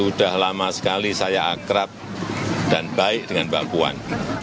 sudah lama sekali saya akrab dan baik dengan mbak puan